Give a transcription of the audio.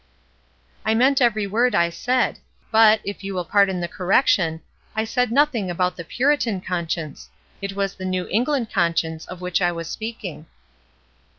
"I meant every word I said; but, if you will pardon the correction, I said nothing about the 'Puritan' conscience; it was the New Eng land conscience of which I was speaking."